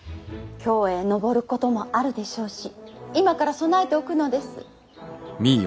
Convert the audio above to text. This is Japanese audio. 京へ上ることもあるでしょうし今から備えておくのです。